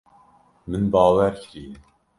Min bawer kiriye.